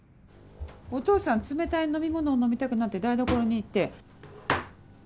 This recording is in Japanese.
お父さん冷たい飲み物を飲みたくなって台所に行って。